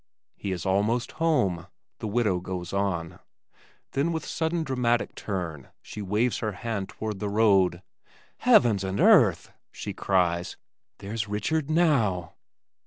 "He is almost home," the widow goes on. Then with sudden dramatic turn she waves her hand toward the road, "Heavens and earth!" she cries. "There's Richard now!"